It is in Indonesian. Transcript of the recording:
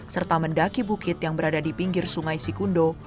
serta mendaki bukit yang berada di pinggir sungai sikundo